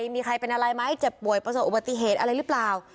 มีใครเป็นอะไรไหมเจ็บป่วยประสบอุบัติเหตุอะไรหรือเปล่า